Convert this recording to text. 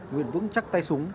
nguyện vững chắc tay súng